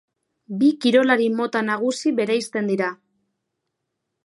Bi kirolari mota nagusi bereizten dira.